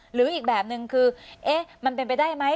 หรืออีกแบบนึงคือเอ๊ะมันเป็นไปได้ไหม